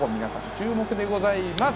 注目でございます。